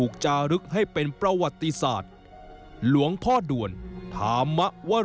ควรปริศสาทหลวงพ่อด่วนธามวะโว